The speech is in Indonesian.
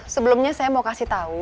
sebelumnya saya mau kasih tahu